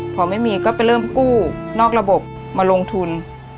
พอไม่มีก็ไปเริ่มกู้นอกระบบมาลงทุน